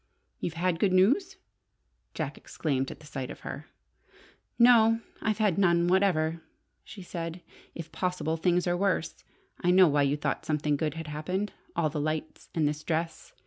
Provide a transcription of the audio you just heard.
"You've had good news!" Jack exclaimed at sight of her. "No, I've had none whatever," she said. "If possible, things are worse. I know why you thought something good had happened. All the lights, and this dress!